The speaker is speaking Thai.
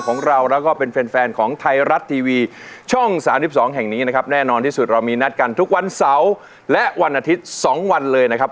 นอนที่สุดเรามีนัดการทุกวันเสาร์และวันอาทิตย์๒วันเลยนะครับ